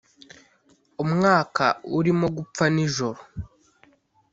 umwaka urimo gupfa nijoro;